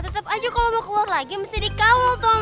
tetep aja kalo mau keluar lagi mesti dikawal tolong